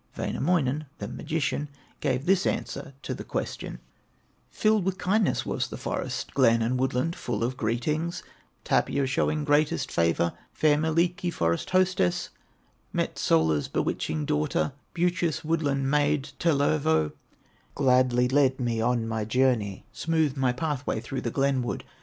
Wainamoinen, the magician, Gave this answer to the question: "Filled with kindness was the forest, Glen and woodland full of greetings, Tapio showing greatest favor. Fair Mielikki, forest hostess, Metsola's bewitching daughter, Beauteous woodland maid, Tellervo, Gladly led me on my journey, Smoothed my pathway through the glen wood.